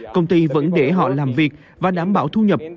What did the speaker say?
công ty vẫn để họ làm việc và đảm bảo thu nhập